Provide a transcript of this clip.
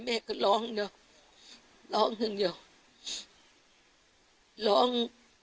แม่ร้องทั้งเดียวร้อง